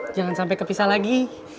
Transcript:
jangan sampai kepisah lagi